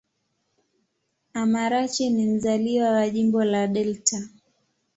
Amarachi ni mzaliwa wa Jimbo la Delta.